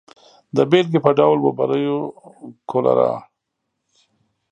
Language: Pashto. د بېلګې په ډول وبریو کولرا.